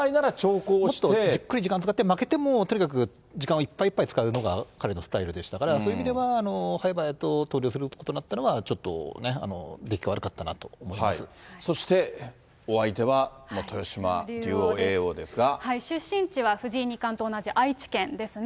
もっとじっくり時間を使って、負けても時間をいっぱいいっぱい使うのが彼のスタイルでしたから、そういう意味では早々と投了することになったのは、ちょっと、出そしてお相手は、豊島竜王、出身地は藤井二冠と同じ愛知県ですね。